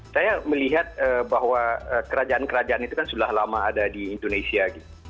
saya melihat bahwa kerajaan kerajaan itu kan sudah lama ada di indonesia